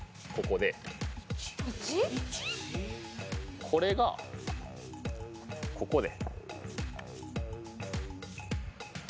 でこれがここで。